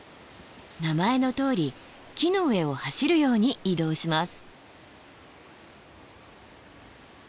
名前のとおり木の上を走るように移動します。